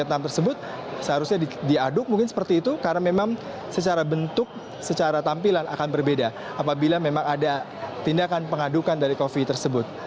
kegiatan tersebut seharusnya diaduk mungkin seperti itu karena memang secara bentuk secara tampilan akan berbeda apabila memang ada tindakan pengadukan dari coffee tersebut